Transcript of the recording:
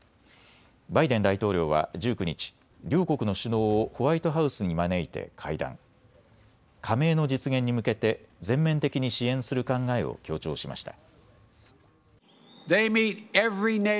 バイデン大統領は１９日、両国の首脳をホワイトハウスに招いて会談。加盟の実現に向けて全面的に支援する考えを強調しました。